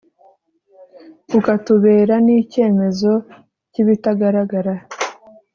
kukatubera n’icyemezo cy’ibitagaragara.